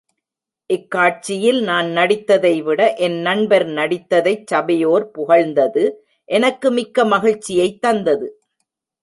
இக் காட்சியில் நான் நடித்ததைவிட என் நண்பர் நடித்ததைச் சபையோர் புகழ்ந்தது எனக்கு மிக்க மகிழ்ச்சியைத் தந்தது.